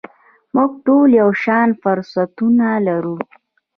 موږ ټول یو شان فرصتونه لرو .